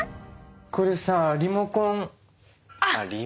これさリモコン。